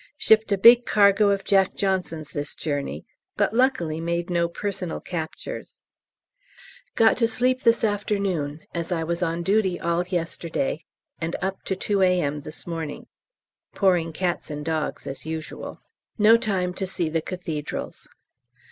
Shipped a big cargo of J.J. this journey, but luckily made no personal captures. Got to sleep this afternoon, as I was on duty all yesterday and up to 2 A.M. this morning. Pouring cats and dogs as usual. No time to see the Cathedrals.